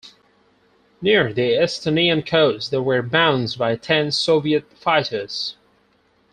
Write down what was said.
Near the Estonian coast, they were bounced by ten Soviet fighters.